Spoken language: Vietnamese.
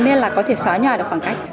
nên là có thể xóa nhòa được khoảng cách